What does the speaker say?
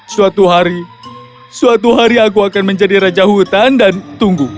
suatu hari suatu hari aku akan menjadi raja hutan dan tunggu